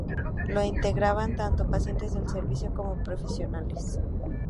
Lo integraban tanto pacientes del servicio como profesionales.